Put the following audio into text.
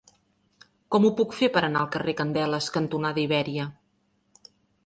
Com ho puc fer per anar al carrer Candeles cantonada Ibèria?